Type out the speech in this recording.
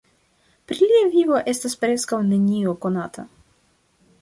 Pri lia vivo estas preskaŭ nenio konata.